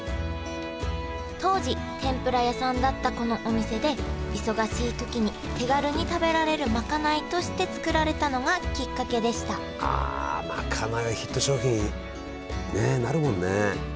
当時天ぷら屋さんだったこのお店で忙しいときに手軽に食べられるまかないとして作られたのがきっかけでしたあまかないはヒット商品ねえなるもんね。